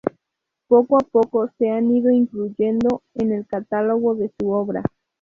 Poco a poco se han ido incluyendo en el catálogo de su obra.